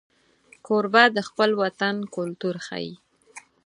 کوربه د خپل وطن کلتور ښيي.